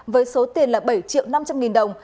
với số tiền là bảy triệu năm trăm linh nghìn đồng